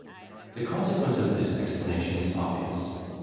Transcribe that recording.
The consequence of this explanation is obvious.